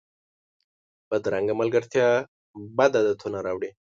بدرنګه ملګرتیا بد عادتونه راوړي